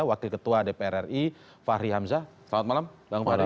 wakil ketua dpr ri fahri hamzah selamat malam bang fahri